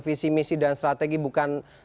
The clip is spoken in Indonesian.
visi misi dan strategi bukan